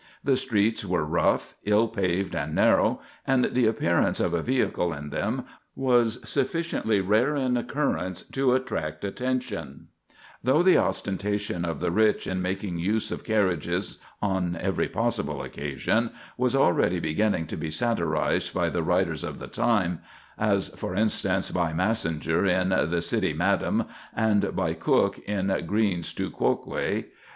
The streets were rough, ill paved, and narrow, and the appearance of a vehicle in them was sufficiently rare an occurrence to attract attention; though the ostentation of the rich in making use of carriages on every possible occasion was already beginning to be satirized by the writers of the time—as, for instance, by Massinger in "The City Madam," and by Cooke in "Greene's Tu Quoque."